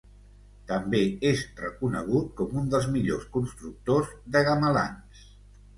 També és reconegut com un dels millors constructors de gamelans.